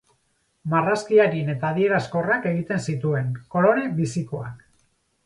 Marrazki arin eta adierazkorrak egiten zituen, kolore bizikoak.